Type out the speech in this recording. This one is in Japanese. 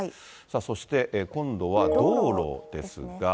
そして今度は道路ですが。